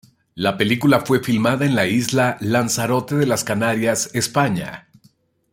La película fue filmada en la isla Lanzarote de las Canarias, España.